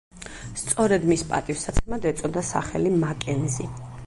სწორედ მის პატივსაცემად ეწოდა სახელი მაკენზი.